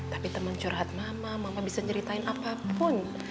tapi teman curhat mama mama bisa nyeritain apapun